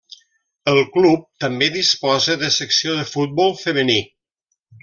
El club també disposa de secció de futbol femení.